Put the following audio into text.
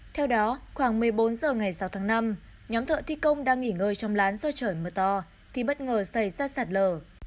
theo đó khoảng một mươi bốn h ngày sáu tháng năm nhóm thợ thi công đang nghỉ ngơi trong lán do trời mưa to thì bất ngờ xảy ra sạt lở